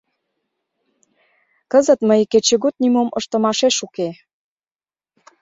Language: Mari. Кызыт мый кечыгут нимом ыштымашеш уке.